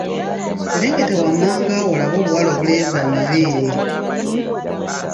Serengeta wammanga awo olabe obuwala obuleeze amabeere.